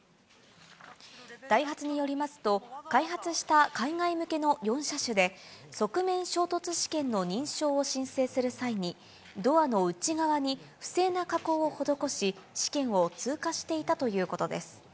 ダイハツによりますと、開発した海外向けの４車種で、側面衝突試験の認証を申請する際に、ドアの内側に不正な加工を施し、試験を通過していたということです。